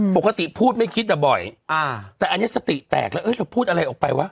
ปกติพูดไม่คิดอ่ะบ่อยแต่อันนี้สติแตกแล้วเราพูดอะไรออกไปวะ